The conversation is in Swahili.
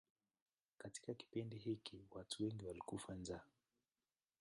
Katika kipindi hiki watu wengi walikufa njaa.